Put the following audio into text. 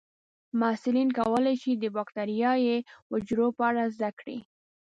محصلین کولی شي د بکټریايي حجرو په اړه زده کړي.